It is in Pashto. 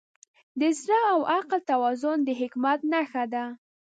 د زړه او عقل توازن د حکمت نښه ده.